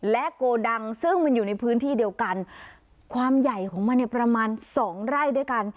โกดังซึ่งมันอยู่ในพื้นที่เดียวกันความใหญ่ของมันเนี่ยประมาณสองไร่ด้วยกัน